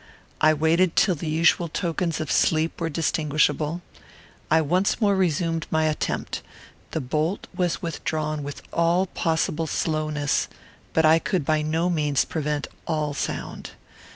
I waited till the usual tokens of sleep were distinguishable. I once more resumed my attempt. The bolt was withdrawn with all possible slowness; but I could by no means prevent all sound.